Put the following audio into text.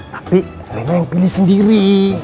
tapi rena yang pilih sendiri